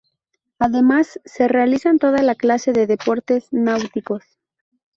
Además se realizan toda clase de deportes náuticos.